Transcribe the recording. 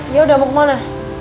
yaudah mau kemana